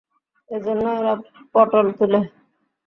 এজন্যই ওরা পটল তুলে।